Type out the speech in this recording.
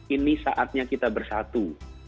ini saatnya kita bersatu